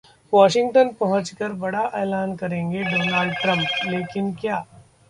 Washington पहुंचकर बड़ा ऐलान करेंगे डोनाल्ड ट्रंप, लेकिन क्या?